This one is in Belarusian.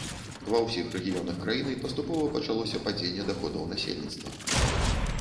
Ва ўсіх рэгіёнах краіны паступова пачалося падзенне даходаў насельніцтва.